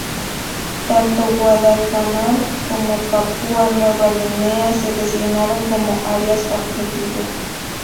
Tanto Guadalcanal como Papúa Nueva Guinea se designaron como áreas objetivo.